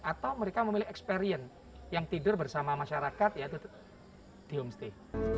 atau mereka memilih experience yang tidur bersama masyarakat yaitu di homestay